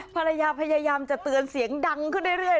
ภรรยาพยายามจะเตือนเสียงดังขึ้นเรื่อย